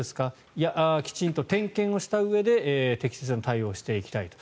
いや、きちんと点検をしたうえで適切な対応をしていきたいと。